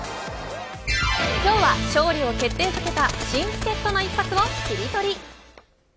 今日は勝利を決定づけた新助っ人の一発をキリトリ。